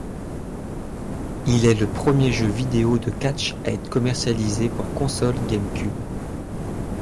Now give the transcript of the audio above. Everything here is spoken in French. Il est le premier jeu vidéo de catch à être commercialisé pour console GameCube.